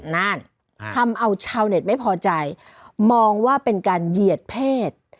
นั่นทำเอาชาวเน็ตไม่พอใจมองว่าเป็นการเหยียดเพศ